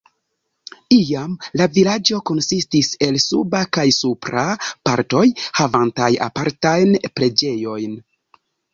Iam la vilaĝo konsistis el "Suba" kaj "Supra" partoj, havantaj apartajn preĝejojn.